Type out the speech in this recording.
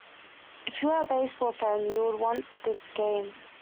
If you are a baseball fan, you will want this game.